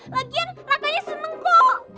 lagian raka nya seneng kok